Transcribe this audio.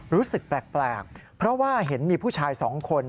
รู้สึกแปลกเพราะว่าเห็นมีผู้ชายสองคน